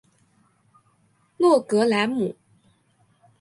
洛格莱姆。